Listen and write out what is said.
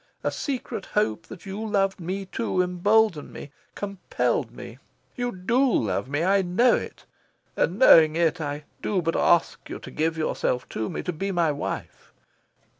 A secret hope that you loved me too emboldened me, compelled me. You DO love me. I know it. And, knowing it, I do but ask you to give yourself to me, to be my wife.